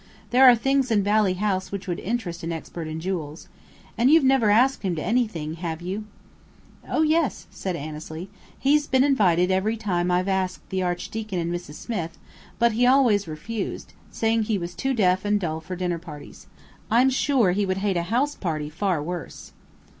There are things in Valley House which would interest an expert in jewels. And you've never asked him to anything, have you?" "Oh, yes," said Annesley, "he's been invited every time I've asked the Archdeacon and Mrs. Smith, but he always refused, saying he was too deaf and too dull for dinner parties. I'm sure he would hate a house party far worse!"